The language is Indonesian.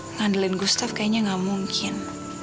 ngandelin gustaf kayaknya gak mungkin